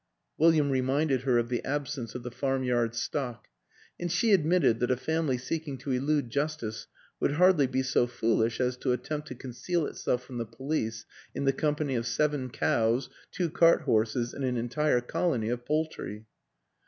" William reminded her of the absence of the farmyard stock and she admitted that a family seeking to elude justice would hardly be so foolish as to attempt to conceal itself from the police in the company of seven cows, two cart horses and an entire colony of poultry.